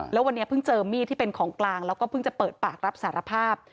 แล้ววันนี้เพิ่งเจอมีดที่เป็นของกลางแล้วก็เพิ่งจะเปิดปากรับสารภาพ